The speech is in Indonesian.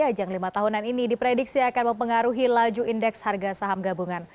ajang lima tahunan ini diprediksi akan mempengaruhi laju indeks harga saham gabungan